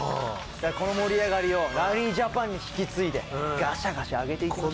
この盛り上がりをラリージャパンに引き継いでガシャガシャ上げていきましょう。